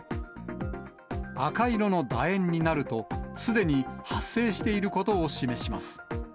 赤色のだ円になると、すでに発生していることを示します。